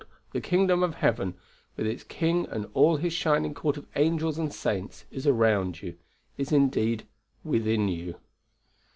the kingdom of heaven, with its King and all His shining court of angels and saints is around you; is, indeed, within you.